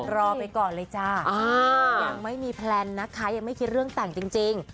รอไปก่อนเลยจ้ายังไม่มีแพลนนะคะยังไม่คิดเรื่องแต่งจริง